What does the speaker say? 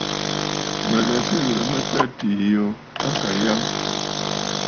Mǝ̀ lɛ Sɨ ghirǝ mǝ tâ atiî yo tâ à Kanyaŋǝ.